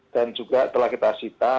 dan juga telah kita sita